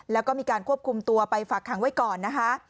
แล้วก็มีการควบคุมตัวไปฝากขังไว้ก่อนนะคะ